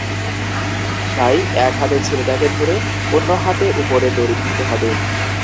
তাই, এক হাতে ছেলেটাকে ধরে, অন্য হাতে উপরে দড়ি ধরতে হবে।